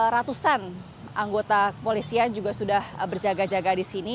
ratusan anggota kepolisian juga sudah berjaga jaga di sini